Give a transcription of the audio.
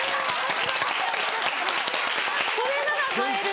それなら買える。